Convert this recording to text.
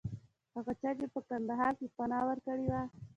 هغه چا چې په کندهار کې پناه ورکړې وه.